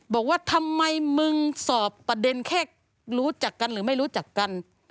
บอกว่าทำไมมึงสอบประเด็นแค่รู้จักกันหรือไม่รู้จักกัน